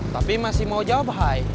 tapi masih mau jawab hai